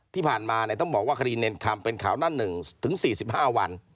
ที่ผ่านมาเนี่ยต้องบอกว่าคดีเนรนคำเป็นข่าวนั่นหนึ่งถึง๔๕วัน